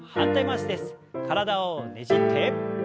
体をねじって。